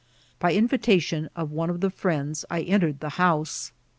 By invitation of one of the friends I entered the house.